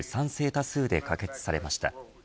多数で可決されました。